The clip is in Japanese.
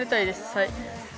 はい。